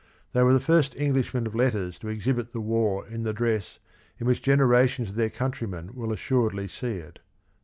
. They were the first EngUshmcn of letters to exhibit the war in the dress in which generations of their countrymen will assuredly sec it.